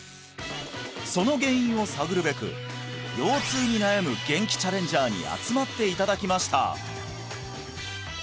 その原因を探るべく腰痛に悩むゲンキチャレンジャーに集まっていただきました